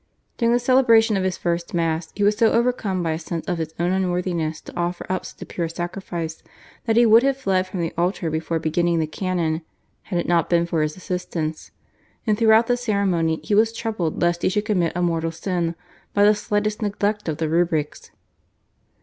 During the celebration of his first Mass he was so overcome by a sense of his own unworthiness to offer up such a pure sacrifice that he would have fled from the altar before beginning the canon had it not been for his assistants, and throughout the ceremony he was troubled lest he should commit a mortal sin by the slightest neglect of the rubrics.